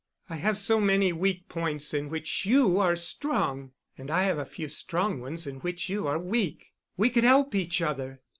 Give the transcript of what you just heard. I have so many weak points in which you are strong, and I have a few strong ones in which you are weak, we could help each other.